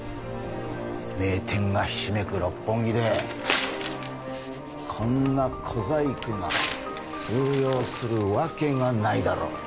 名店がひしめく六本木でこんな小細工が通用するわけがないだろ！